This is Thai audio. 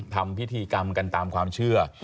ทำพิธีกรรมกันตามความเชื่อ